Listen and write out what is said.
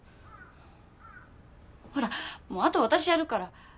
ほらもうあとは私やるから。